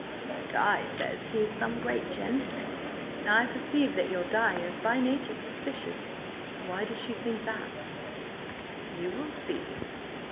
My Di says he is some great gentleman." "I perceive that your Di is by nature suspicious. Why does she think that?" "You will see.